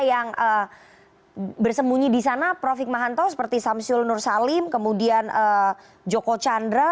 yang bersembunyi di sana prof hikmahanto seperti samsul nur salim kemudian joko chandra